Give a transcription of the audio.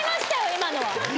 今のは。